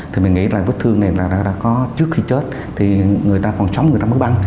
thì mình nghĩ là vết thương này là đã có trước khi chết thì người ta còn sống người ta mất băng